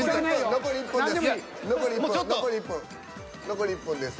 残り１分です。